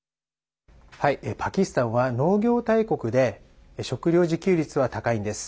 パキスタンは農業大国で食料自給率は高いんです。